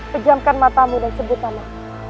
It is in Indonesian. kejamkan matamu dan sebut nama